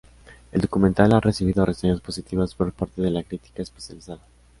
El documental ha recibido reseñas positivas por parte de la crítica especializada.